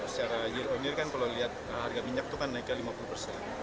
secara year on year kan kalau lihat harga minyak itu kan naiknya lima puluh persen